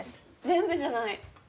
全部じゃない。